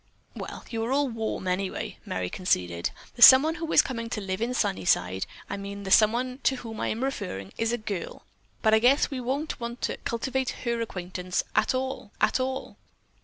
"Well, you are all warm anyway," Merry conceded. "The someone who is coming to live in Sunnyside; I mean the someone to whom I am referring, is a girl, but I guess we won't want to cultivate her acquaintance at all, at all."